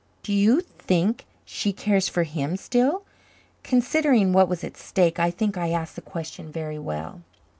"Do you think she cares for him still?" Considering what was at stake, I think I asked the question very well.